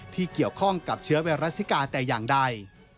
ที่เกี่ยวข้องกับเชื้อไวรัสซิกาแต่อย่างใด